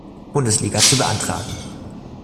Bundesliga zu beantragen.